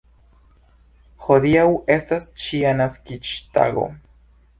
Hodiaŭ estas ŝia naskiĝtago.